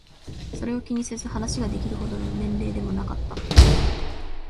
それを気にせず話ができるほどの年齢でもなかった。